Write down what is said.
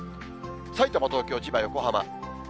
さいたま、東京、千葉、横浜。